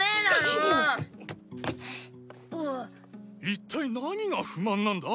一体何が不満なんだ。